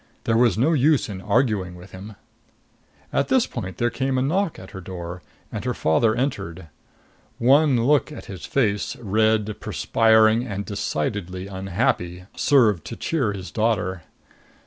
There was no use in arguing with him. At this point came a knock at her door and her father entered. One look at his face red, perspiring and decidedly unhappy served to cheer his daughter.